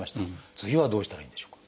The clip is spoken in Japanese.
次はどうしたらいいんでしょうか？